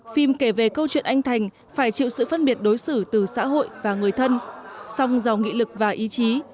phim kể về câu chuyện anh thành phải chịu sự phân biệt đối xử từ xã hội và người thân song do nghị lực và ý chí